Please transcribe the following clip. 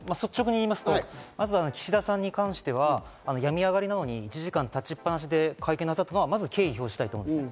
率直に言いますと、岸田さんに関しては病み上がりなのに、１時間立ちっ放しで会見なさったのはまず敬意を表したいです。